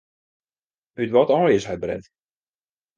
Ut wat aai is hy bret?